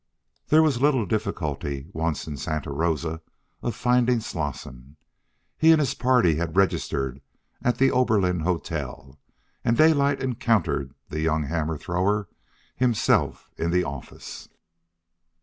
There was little difficulty, once in Santa Rosa, of finding Slosson. He and his party had registered at the Oberlin Hotel, and Daylight encountered the young hammer thrower himself in the office.